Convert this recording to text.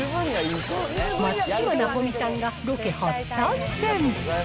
松嶋尚美さんがロケ初参戦。